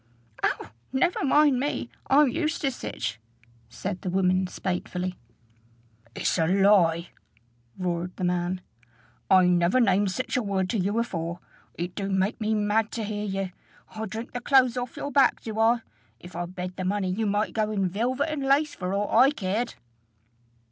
"Oh! never mind me: I'm used to sich," said the woman spitefully. "It's a lie," roared the man: "I never named sich a word to ye afore. It do make me mad to hear ye. I drink the clothes off your back, do I? If I bed the money, ye might go in velvet and lace for aught I cared!"